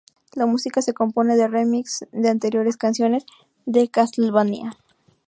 La música se compone de remixes de anteriores canciones del Castlevania.